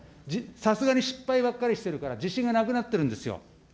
さすがに失敗ばかりしてるから、自信がなくなっているんですよ。